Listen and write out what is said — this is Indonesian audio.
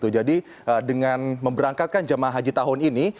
jadi dengan memberangkatkan jemaah haji tahun ini